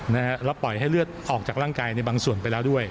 แล้วปล่อยให้เลือดออกจากร่างกายในบางส่วนไปแล้วด้วย